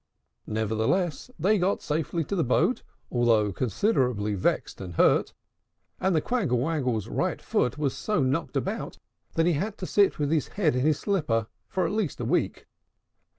Nevertheless, they got safely to the boat, although considerably vexed and hurt; and the Quangle Wangle's right foot was so knocked about, that he had to sit with his head in his slipper for at least a week.